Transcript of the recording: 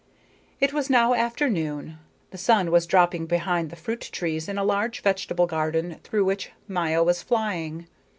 It was now afternoon. The sun was dropping behind the fruit trees in a large vegetable garden through which Maya was flying.